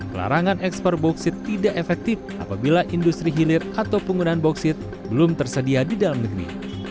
pelarangan ekspor bauksit tidak efektif apabila industri hilir atau penggunaan bauksit belum tersedia di dalam negeri